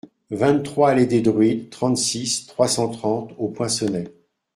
vingt-trois allée des Druides, trente-six, trois cent trente au Poinçonnet